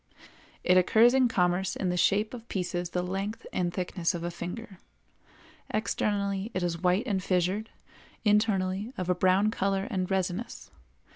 It occurs in commerce in the shape of pieces the length and thickness of a finger; externally it is white and fissured, internally of a brown color and resinous.